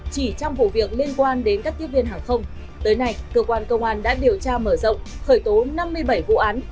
chỉ trong vụ việc liên quan đến các tiếp viên hàng không tới nay cơ quan công an đã điều tra mở rộng khởi tố năm mươi bảy vụ án